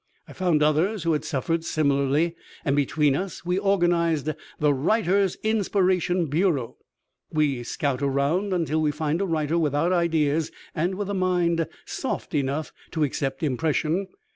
I found others who had suffered similarly, and between us we organized 'The Writer's Inspiration Bureau.' We scout around until we find a writer without ideas and with a mind soft enough to accept impression.